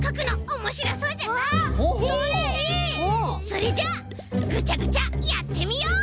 それじゃあぐちゃぐちゃやってみよう！